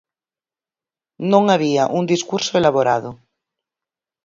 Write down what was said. Non había un discurso elaborado.